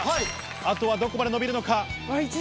あとはどこまで伸びるのか。